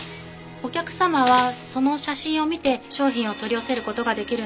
お客様はその写真を見て商品を取り寄せる事ができるんです。